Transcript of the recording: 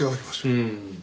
うん。